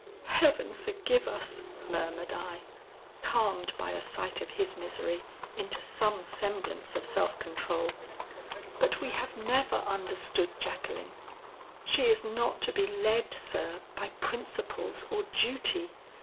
'Heaven forgive us!' murmured I, calmed by a sight of his misery, into some semblance of of self control, 'but we have never understood Jacqueline. She is not to be led, sir, by principles or duty.